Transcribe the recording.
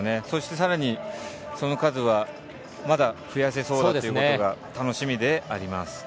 そして更にその数がまだ増やせそうだというのが楽しみであります。